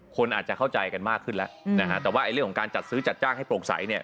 คนอาจจะเข้าใจกันมากขึ้นแล้วนะฮะแต่ว่าเรื่องของการจัดซื้อจัดจ้างให้โปร่งใสเนี่ย